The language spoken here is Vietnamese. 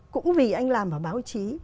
cũng vì anh làm ở báo chí